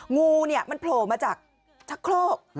งูเนี่ยมันโผล่มาจากชะโครก